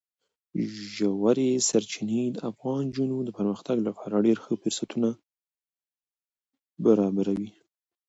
ژورې سرچینې د افغان نجونو د پرمختګ لپاره ډېر ښه فرصتونه برابروي.